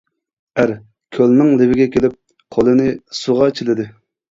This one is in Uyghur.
ئەر كۆلنىڭ لېۋىگە كېلىپ قولىنى سۇغا چىلىدى.